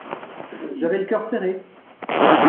J'avais le cœur serré.